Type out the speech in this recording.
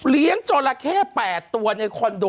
เลี้ยงจอลาแค่๘ตัวในคอนโด